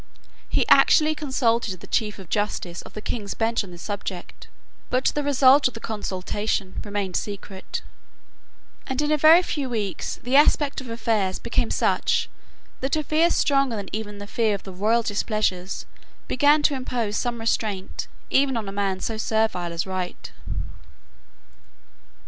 He actually consulted the Chief justice of the King's Bench on this subject: but the result of the consultation remained secret; and in a very few weeks the aspect of affairs became such that a fear stronger than even the fear of the royal displeasure began to impose some restraint even on a man so servile as Wright.